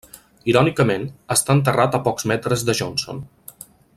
Irònicament, està enterrat a pocs metres de Johnson.